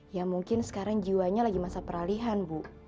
ya mungkin sekarang jiwanya lagi masa peralihan bu